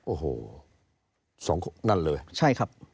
โอ้โห๒นั่นเลย